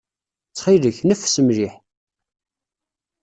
Ttxil-k, neffes mliḥ.